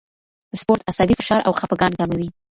سپورت عصبي فشار او خپګان کموي.